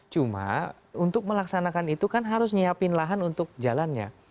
cuma untuk melaksanakan itu kan harus nyiapin lahan untuk jalannya